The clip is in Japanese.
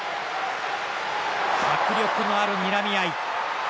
迫力のあるにらみ合い。